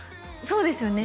そうですよね